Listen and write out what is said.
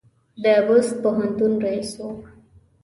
د بُست پوهنتون رییس و.